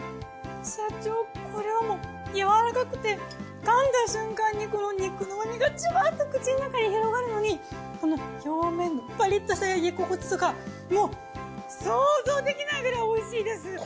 社長これはもうやわらかくて噛んだ瞬間にこの肉の旨みがジュワッと口の中に広がるのにこの表面のパリッとした焼き心地とかもう想像できないくらいおいしいです！